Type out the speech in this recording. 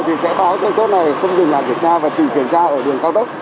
thì sẽ báo trong chốt này không dừng là kiểm tra và chỉ kiểm tra ở đường cao tốc